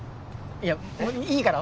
いやもういいから。